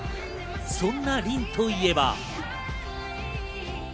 そんなリンといえば。